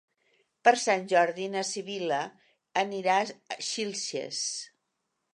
Per Sant Jordi na Sibil·la anirà a Xilxes.